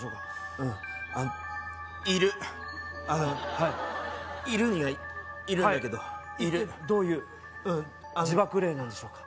うんいるはいいるにはいるんだけどいるどういう地縛霊なんでしょうか？